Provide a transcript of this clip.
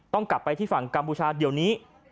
ต้องกลับไปที่ฝั่งกัมพูชาเดี๋ยวนี้